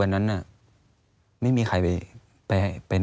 อันดับ๖๓๕จัดใช้วิจิตร